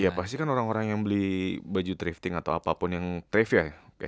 ya pasti kan orang orang yang beli baju drifting atau apapun yang thrift ya